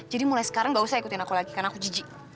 jadi mulai sekarang gak usah ikutin aku lagi karena aku jijik